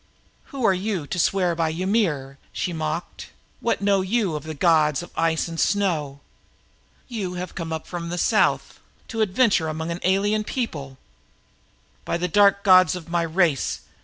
"Who are you to swear by Ymir?" she mocked. "What know you of the gods of ice and snow, you who have come up from the south to adventure among strangers?" "By the dark gods of my own race!"